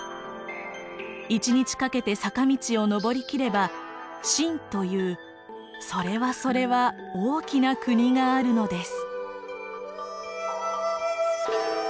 一日かけて坂道を登りきれば晋というそれはそれは大きな国があるのです。